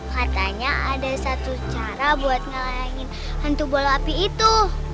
katanya ada satu cara buat ngelarangin hantu bola api itu